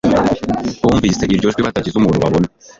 bumvise iryo jwi batagize umuntu babona